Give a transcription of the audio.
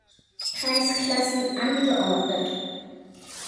Kreisklassen angeordnet.